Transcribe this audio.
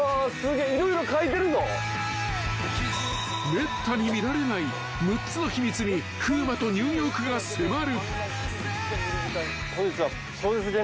［めったに見られない６つの秘密に風磨とニューヨークが迫る］